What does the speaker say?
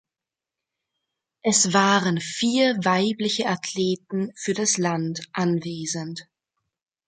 Es waren vier weibliche Athleten für das Land anwesend.